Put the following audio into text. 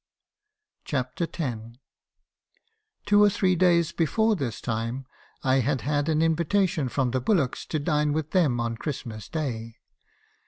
CHAPTER X. "Two or three days before this time, I had had an invitation from the Bullocks to dine with them on Christmas day.